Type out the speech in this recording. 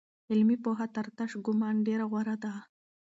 علمي پوهه تر تش ګومان ډېره غوره ده.